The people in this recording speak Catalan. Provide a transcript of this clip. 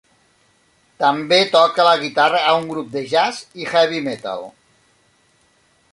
També toca la guitarra a un grup de jazz i heavy metal.